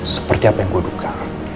seperti apa yang gue duka